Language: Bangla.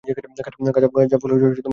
কাঁচা ফল গোলাকার সবুজ।